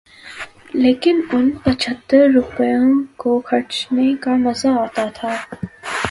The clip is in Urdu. لیکن ان پچھتر روپوں کو خرچنے کا مزہ آتا تھا۔